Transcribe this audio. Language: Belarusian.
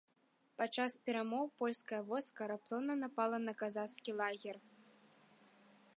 Падчас перамоў польскае войска раптоўна напала на казацкі лагер.